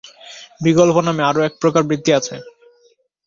বিকল্প-নামে আর এক প্রকার বৃত্তি আছে।